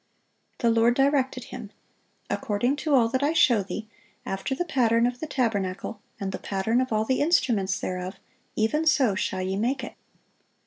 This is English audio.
The Lord directed him, "According to all that I show thee, after the pattern of the tabernacle, and the pattern of all the instruments thereof, even so shall ye make it."